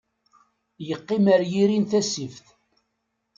Yeqqim ar yiri n tasift.